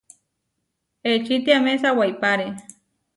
Ečitiáme sawáipare.